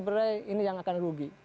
sebenarnya ini yang akan rugi